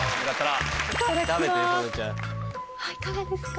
いかがですか？